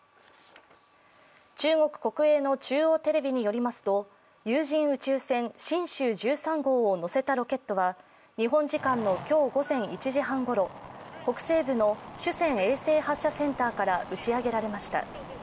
中国国営の中央テレビによりますと有人宇宙船「神舟１３号」を載せたロケットは日本時間の今日午前１時半ごろ、北西部の酒泉衛星発射センターから打ち上げられました。